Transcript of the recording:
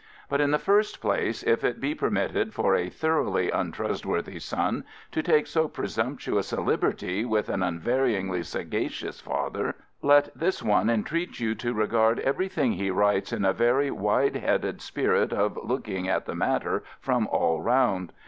But in the first place, if it be permitted for a thoroughly untrustworthy son to take so presumptuous a liberty with an unvaryingly sagacious father, let this one entreat you to regard everything he writes in a very wide headed spirit of looking at the matter from all round.